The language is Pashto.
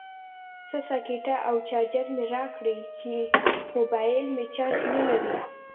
سه ساکټه او چارجر مې راکړئ چې موبایل مې چارج نلري